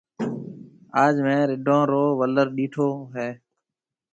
آج ميه رڍون رو ولر ڏيٺو هيَ۔